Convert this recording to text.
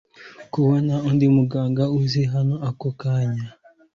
kubona undi muganga uza hano ako kanya